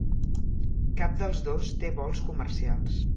Cap dels dos té vols comercials.